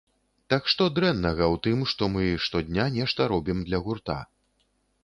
Так, што дрэннага ў тым, што мы штодня нешта робім для гурта?